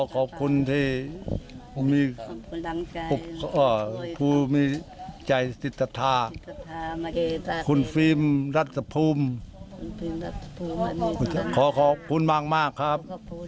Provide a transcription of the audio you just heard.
ขอบคุณที่ผู้มีใจจิตศรัทธาคุณฟิล์มรัฐภูมิขอขอบคุณมากครับ